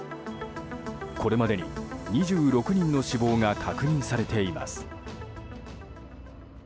これまでに２６人の死亡が確認されています。